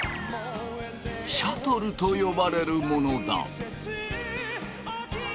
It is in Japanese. シャトルと呼ばれるものだ。